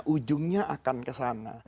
ujungnya akan kesana